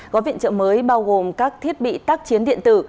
gói viện trợ mới bao gồm các thiết bị tác chiến điện tử